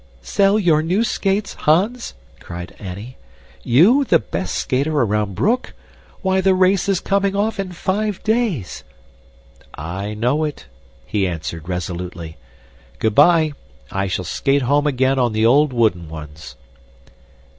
"Sell your new skates, Hans?" cried Annie. "You, the best skater around Broek! Why, the race is coming off in five days!" "I know it," he answered resolutely. "Good bye! I shall skate home again on the old wooden ones."